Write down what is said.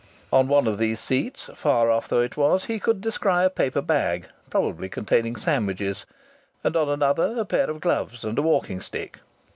On one of these seats, far off though it was, he could descry a paper bag probably containing sandwiches and on another a pair of gloves and a walking stick.